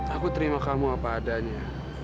aku terima kamu apa adanya